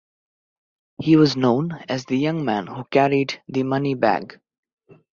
He was known as the young man who carried the money bag.